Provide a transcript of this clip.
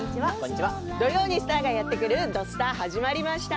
土曜にスターがやってくる「土スタ」始まりました。